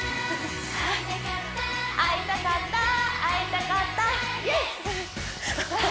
会いたかった会いたかったＹｅｓ！